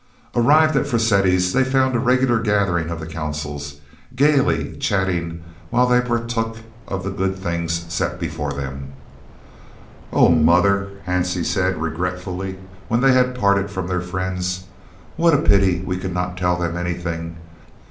Arrived at Frascati's they found a regular gathering of the Consuls, gaily chatting while they partook of the good things set before them. "Oh, mother!" Hansie said regretfully, when they had parted from their friends. "What a pity we could not tell them anything!